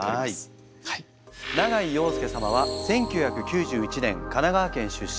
永井陽右様は１９９１年神奈川県出身。